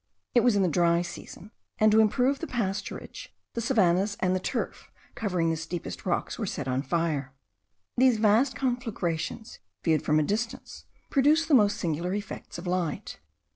It was in the dry season, and to improve the pasturage, the savannahs and the turf covering the steepest rocks were set on fire. These vast conflagrations, viewed from a distance, produce the most singular effects of light.